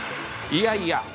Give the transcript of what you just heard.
いやいや。